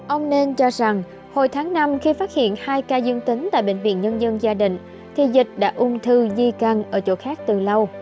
ông nên cho rằng hồi tháng năm khi phát hiện hai ca dương tính tại bệnh viện nhân dân gia đình thì dịch đã ung thư di căn ở chỗ khác từ lâu